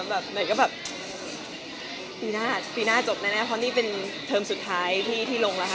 แบบไหนก็แบบปีหน้าปีหน้าจบแน่เพราะนี่เป็นเทอมสุดท้ายที่ลงแล้วค่ะ